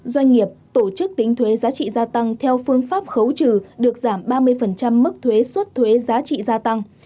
doanh nghiệp tổ chức tính thuế giá trị gia tăng theo phương pháp khấu trừ được giảm ba mươi mức thuế xuất thuế giá trị gia tăng